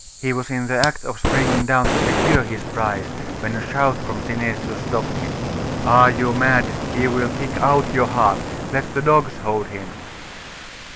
He was in the act of springing down to secure his prize, when a shout from Synesius stopped him. 'Are you mad? He will kick out your heart! Let the dogs hold him!